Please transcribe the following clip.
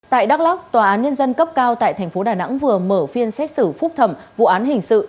tại đắk lắc tòa án nhân dân cấp cao tại thành phố đà nẵng vừa mở phiên xét xử phúc thẩm vụ án hình sự